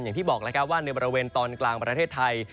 อย่างที่บอกแล้วครับว่าในบริเวณตอนกลางประเทศไทย